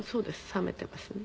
冷めてますね。